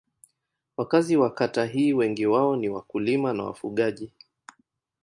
Wakazi wa kata hii wengi wao ni wakulima na wafugaji.